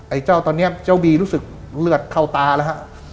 ไอ้เจ้าตอนนี้เจ้าบีรู้สึกเลือดเข้าตาแล้วฮะ